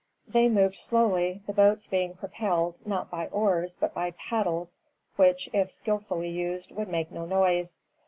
] They moved slowly, the boats being propelled, not by oars, but by paddles, which, if skilfully used, would make no noise.